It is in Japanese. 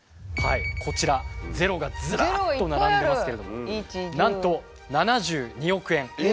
こちら「０」がずらっと並んでますけれどもなんと７２億円。